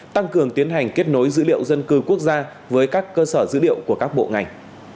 tăng cường tiến hành kết nối dữ liệu dân cư quốc gia với các cơ sở dữ liệu của các bộ ngành